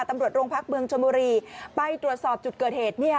ตำรวจโรงพักเมืองชนบุรีไปตรวจสอบจุดเกิดเหตุ